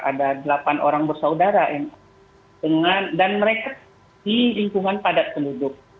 ada delapan orang bersaudara dan mereka di lingkungan padat penduduk